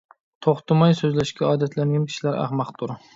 توختىماي سۆزلەشكە ئادەتلەنگەن كىشىلەر ئەخمەقتۇر.